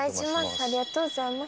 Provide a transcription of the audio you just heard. ありがとうございます。